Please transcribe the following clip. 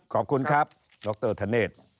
ขอบคุณครับดรธเนธ